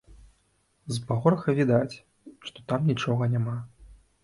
З пагорка відаць, што там нічога няма.